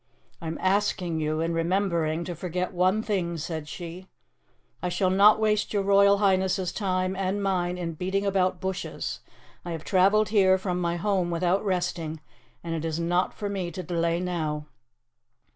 "I am asking you, in remembering, to forget one thing," said she. "I shall not waste your Royal Highness's time and mine in beating about bushes. I have travelled here from my home without resting, and it is not for me to delay now."